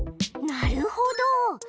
なるほど！